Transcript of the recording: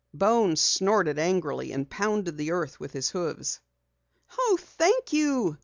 Bones snorted angrily and pounded the earth with his hoofs. "Oh, thank you!"